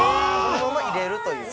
◆そのまま入れるという。